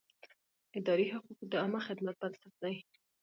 اداري حقوق د عامه خدمت بنسټ دی.